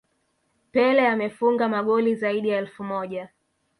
Pele amefunga magoli zaidi ya elfu moja